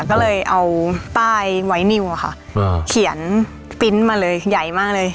ก็เลยเอาป้ายไว้นิวอะค่ะเขียนปริ้นต์มาเลยใหญ่มากเลย